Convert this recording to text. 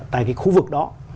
tại cái khu vực đó